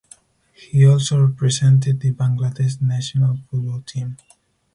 He also represented the Bangladesh national football team.